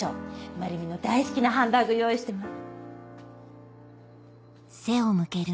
まるみの大好きなハンバーグ用意して待っ。